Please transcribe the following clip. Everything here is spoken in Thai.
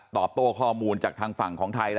โต้ข้อมูลจากทางฝั่งของไทย